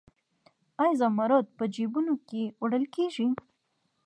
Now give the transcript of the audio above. آیا زمرد په جیبونو کې وړل کیږي؟